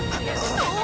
◆そう！